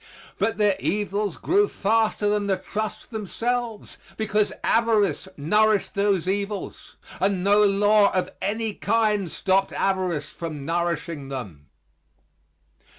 But their evils grew faster than the trusts themselves because avarice nourished those evils and no law of any kind stopped avarice from nourishing them.